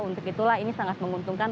untuk itulah ini sangat menguntungkan